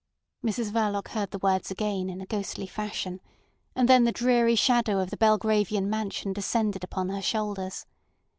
Mrs Verloc heard the words again in a ghostly fashion, and then the dreary shadow of the Belgravian mansion descended upon her shoulders.